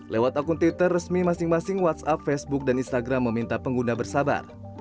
lewat akun twitter resmi masing masing whatsapp facebook dan instagram meminta pengguna bersabar